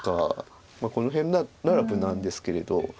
この辺なら無難ですけれど。